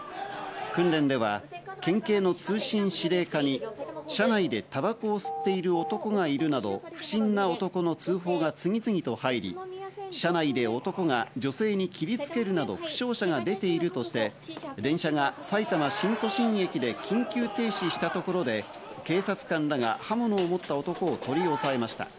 訓練では県警の通信指令課に車内でタバコを吸っている男がいるなど不審な男の通報が次々と入り、車内で男が女性に切りつけるなど負傷者が出ているとして、電車がさいたま新都心駅で緊急停止したところで警察官らが刃物を持った男を取り押さえました。